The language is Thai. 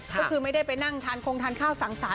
ก็คือไม่ได้ไปนั่งทานคงทานข้าวสั่งสาร